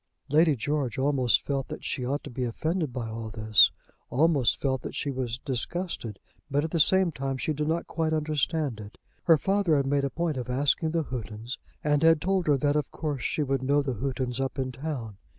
Lady George almost felt that she ought to be offended by all this, almost felt that she was disgusted; but, at the same time, she did not quite understand it. Her father had made a point of asking the Houghtons, and had told her that of course she would know the Houghtons up in town.